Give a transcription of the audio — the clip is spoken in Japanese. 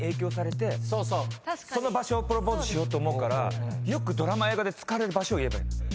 その場所でプロポーズしようと思うからよくドラマ・映画で使われる場所を言えばいいの。